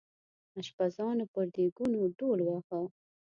اشپزانو پر دیګونو ډول واهه.